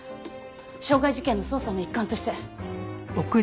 傷害事件の捜査の一環として。